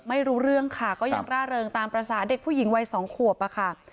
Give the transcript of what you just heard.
ไม่รู้เรื่องค่ะก็ยังร่าเริงตามภาษาเด็กผู้หญิงวัยสองขวบอะค่ะ